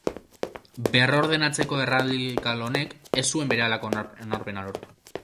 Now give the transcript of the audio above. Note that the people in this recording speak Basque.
Berrordenatzeko erradikal honek ez zuen berehalako onarpena lortu.